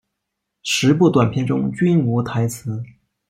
十部短片中均无台词。